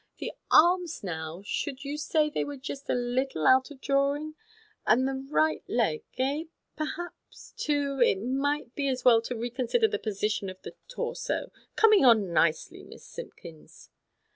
The arms, now, should you say they were just a little out of drawing ? And the right leg, eh ? perhaps, too, it might be as well to reconsider the position of the torso. Coming on nicely, Miss Simpkins."